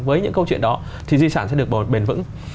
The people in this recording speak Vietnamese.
với những câu chuyện đó thì di sản sẽ được bảo bền vững